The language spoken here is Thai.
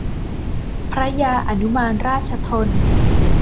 พระยาอนุมานราชธน